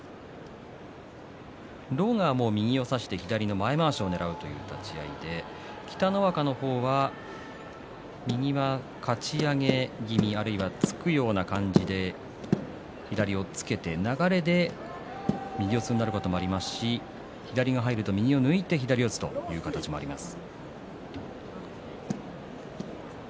狼雅は右を差して左の前まわしをねらう立ち合いで北の若の方は、右はかち上げ気味あるいは突くような感じで左押っつけで、流れで右四つになることもありますし左が入ると右を抜いて左四つということもあります。